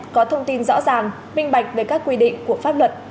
có thông tin rõ ràng minh bạch về các quy định của pháp luật